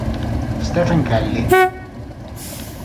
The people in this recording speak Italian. Stephen Kelly